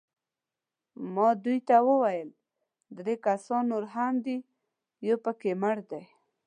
ما دوی ته وویل: درې کسان نور هم دي، یو پکښې مړ دی.